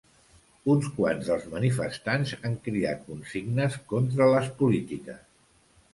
Uns quants dels manifestants han cridat consignes contra les polítiques.